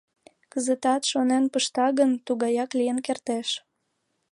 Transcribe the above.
Кызытат, шонен пышта гын, тугаяк лийын кертеш.